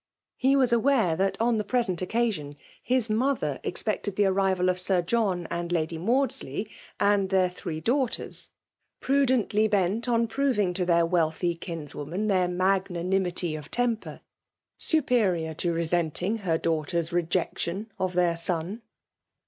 He was awafOthat, on the present occastbn, his mother b3 '10 FEMA11? DOBItKATVOV. expected the arrival of Sir John and Ladj Mauddey, and their three daughtetB, pcu * dently bent on proving to their wealthy kins ' woman their magnanimity of temper^ aaperiQr to resenting her daughter's rejection of their BOn.